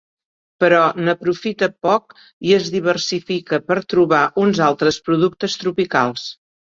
Però n'aprofita poc i es diversifica per trobar uns altres productes tropicals.